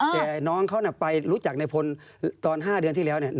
แต่น้องเขาไปรู้จักในพลตอน๕เดือนที่แล้ว